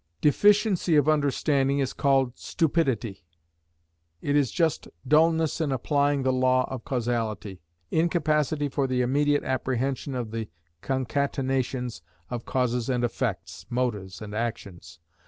Deficiency of understanding is called stupidity. It is just dulness in applying the law of causality, incapacity for the immediate apprehension of the concatenations of causes and effects, motives and actions.